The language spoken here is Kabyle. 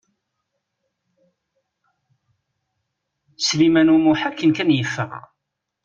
Sliman U Muḥ akken kan yeffeɣ.